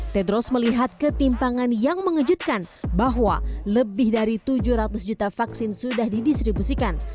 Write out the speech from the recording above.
tedros melihat ketimpangan yang mengejutkan bahwa lebih dari tujuh ratus juta vaksin sudah didistribusikan